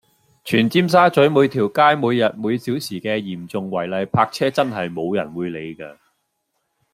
全尖沙咀每條街每日每小時嘅嚴重違例泊車真係冇人會理㗎￼